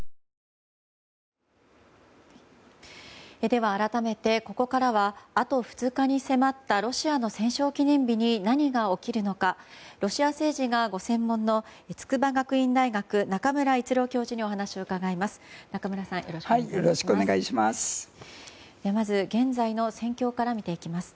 では、改めてここからは、あと２日に迫ったロシアの戦勝記念日に何が起きるのかロシア政治がご専門の筑波学院大学、中村逸郎教授にお話を伺います。